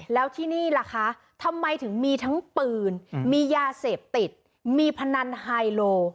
แล้วที่นี่ล่ะคะทำไมถึงมีทั้งปืนมียาเสพติดมีพนันไฮโล